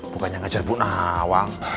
bukannya ngejar bu nawang